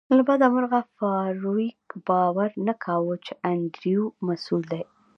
له بده مرغه فارویک باور نه کاوه چې انډریو مسؤل دی